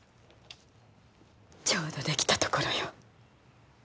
ちょうど出来たところよ。